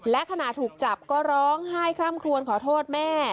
และขณะถูกจับก็ร้องไห้คล่ำคลวนขอโทษแม่